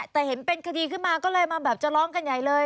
แต่เห็นเป็นคดีขึ้นมาก็เลยมาแบบจะร้องกันใหญ่เลย